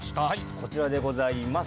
こちらでございます。